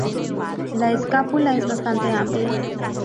La escápula es bastante amplia.